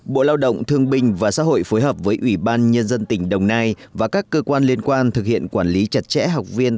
bộ lao động thương binh và xã hội phối hợp với ủy ban nhân dân tỉnh đồng nai và các cơ quan liên quan thực hiện quản lý chặt chẽ học viên